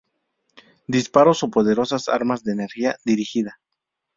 Disparos o poderosas armas de energía dirigida.